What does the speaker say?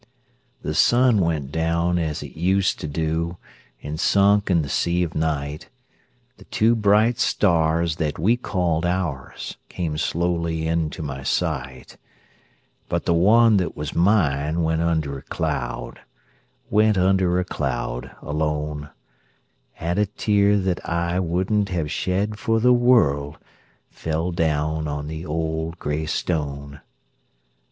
The sun went down as it used to do, And sunk in the sea of night; The two bright stars that we called ours Came slowly unto my sight; But the one that was mine went under a cloud— Went under a cloud, alone; And a tear that I wouldn't have shed for the world, Fell down on the old gray stone.